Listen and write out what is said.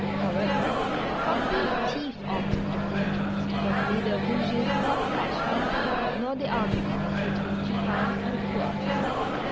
However, Coqueville's chief object of interest was neither Eouget 's hot passions nor the arguments between Tupain and Fouasse.